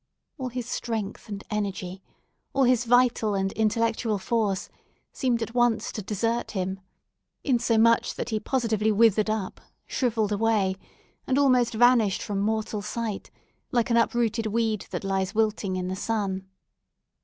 All his strength and energy—all his vital and intellectual force—seemed at once to desert him, insomuch that he positively withered up, shrivelled away and almost vanished from mortal sight, like an uprooted weed that lies wilting in the sun.